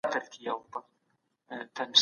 سفیران چیري د مدني ټولني ملاتړ کوي؟